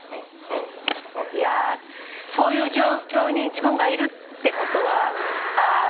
いやそういう状況に自分がいるってことはあ